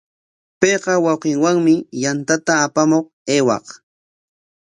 Payqa wawqinwami yantata apamuq aywaq.